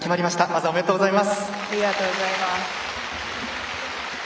ありがとうございます。